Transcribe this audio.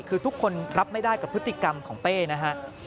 คือทุกคนรับไม่ได้กับพฤติกรรมของเป้นะฮะ